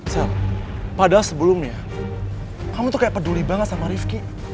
so padahal sebelumnya kamu tuh kayak peduli banget sama rifki